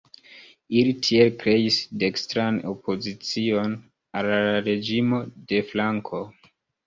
Ili tiel kreis "dekstran opozicion" al la reĝimo de Franko.